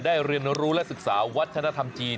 เรียนรู้และศึกษาวัฒนธรรมจีน